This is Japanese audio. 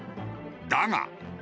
だが。